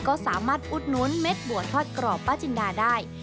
ก็สามารถอุดหนุนเม็ดบัวทอดกรอบป้าจินดาได้